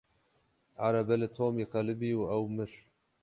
Erebe li Tomî qelibî û ew mir.